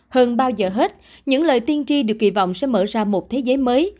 hơn bao giờ hết những lời tiên tri được kỳ vọng sẽ mở ra một thế giới mới